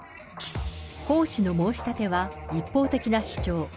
江氏の申し立ては一方的な主張。